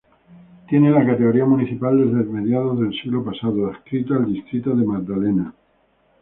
Tiene la categoría municipal desde mediados del siglo pasado, adscrito al Distrito de Magdalena.